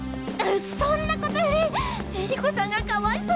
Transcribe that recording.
そんな事より恵理子さんがかわいそう！